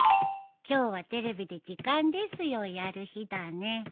今日はテレビで『時間ですよ』をやる日だね。